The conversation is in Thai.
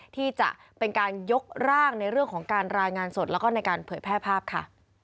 ที่จะเป็นการยกร่างในเรื่องของการรายงานสดแล้วก็ในการเผยแพร่ภาพค่ะ